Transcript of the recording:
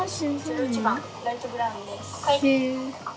「０１番ライトブラウンです」。